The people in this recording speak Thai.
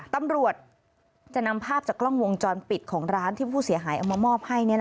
ตำรวจจะนำภาพจากกล้องวงจรปิดของร้านที่ผู้เสียหายเอามามอบให้